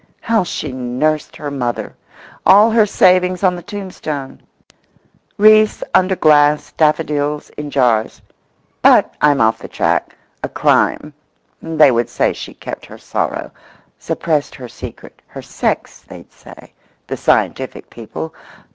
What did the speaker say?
How she nursed her mother! All her savings on the tombstone—wreaths under glass—daffodils in jars. But I'm off the track. A crime.… They would say she kept her sorrow, suppressed her secret—her sex, they'd say—the scientific people.